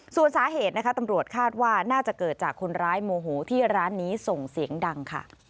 ส่วนสาเหตุนะคะตำรวจคาดว่าน่าจะเกิดจากคนร้ายโมโหที่ร้านนี้ส่งเสียงดังค่ะ